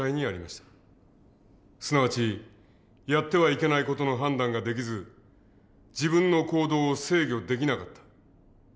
すなわちやってはいけない事の判断ができず自分の行動を制御できなかった。